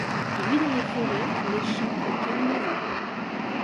Il vit dans les forêts, les champs et près des maisons.